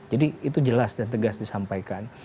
jadi itu jelas dan tegas disampaikan